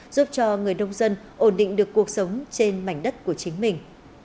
giúp cho người nông dân ổn định được cuộc sống trên mảnh đất của chính mình